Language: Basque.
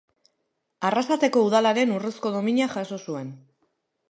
Arrasateko Udalaren Urrezko Domina jaso zuen.